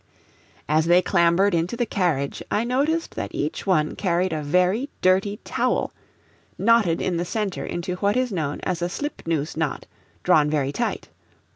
As they clambered into the carriage I noticed that each one carried a very dirty towel, knotted in the center into what is known as a slip noose knot, drawn very tight.